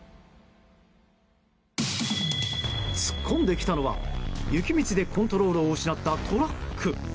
突っ込んできたのは、雪道でコントロールを失ったトラック。